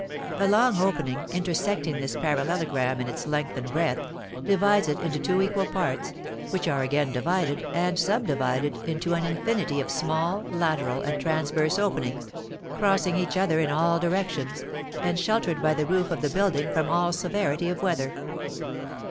A long opening, intersecting this parallelogram in its length and breadth, divides it into two equal parts, which are again divided and subdivided into an infinity of small lateral and transverse openings, crossing each other in all directions, and sheltered by the roof of the building from all severity of weather.